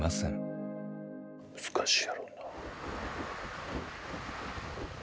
難しいやろうな。